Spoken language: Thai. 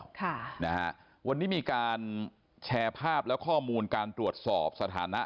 ค่ะนะฮะวันนี้มีการแชร์ภาพและข้อมูลการตรวจสอบสถานะ